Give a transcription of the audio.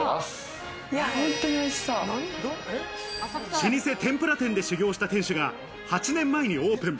老舗天ぷら店で修業した店主が８年前にオープン。